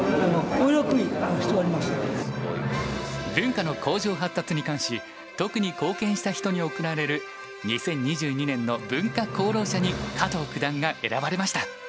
文化の向上発達に関し特に貢献した人に贈られる２０２２年の文化功労者に加藤九段が選ばれました。